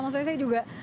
maksudnya saya juga